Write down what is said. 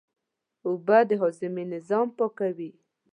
اوبه د هاضمې نظام پاکوي